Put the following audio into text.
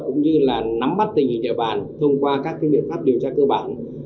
cũng như là nắm bắt tình hình địa bàn thông qua các biện pháp điều tra cơ bản